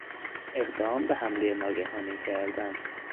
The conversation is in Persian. اقدام به حملهی ناگهانی کردن